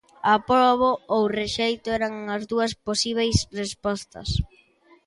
"Aprobo" ou "rexeito" eran as dúas posíbeis respostas.